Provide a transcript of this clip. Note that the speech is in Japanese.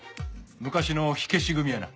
昔の火消し組やな。